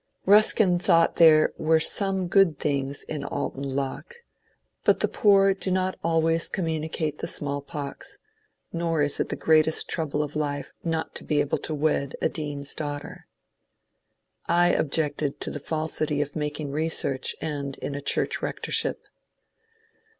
Buskin thought there were some good things in ^^ Alton Locke," but the poor do not always communicate the small pox, nor is it the greatest trouble of life not to be able to wed a dean's daughter. I objected to the falsity of making re search end in a church rectorship.